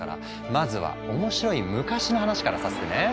まずは面白い昔の話からさせてね。